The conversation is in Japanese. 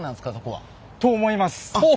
と思います！